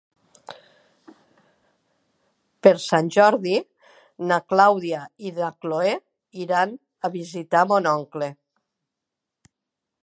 Per Sant Jordi na Clàudia i na Cloè iran a visitar mon oncle.